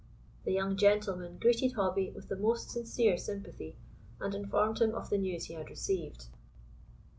The young gentleman greeted Hobbie with the most sincere sympathy, and informed him of the news he had received.